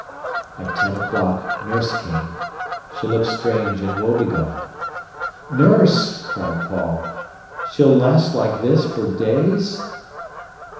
At ten o'clock nurse came. She looked strange and woebegone. "Nurse," cried Paul, "she'll last like this for days?"